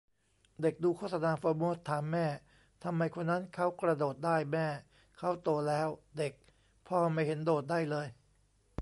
เด็กดูโฆษณาโฟร์โมสต์ ถามแม่ทำไมคนนั้นเค้ากระโดดได้ แม่ :'เค้าโตแล้ว' เด็ก :'พ่อไม่เห็นโดดได้เลย'